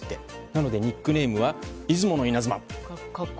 なので、ニックネームは出雲のイナズマ。